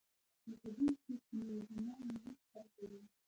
لکه دوی چې يې زما له لور سره کوي.